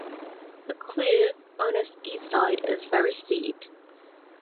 The cliff on its east side is very steep.